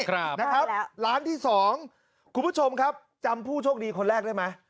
ครับนะครับร้านที่สองคุณผู้ชมครับจำผู้โชคดีคนแรกได้ไหม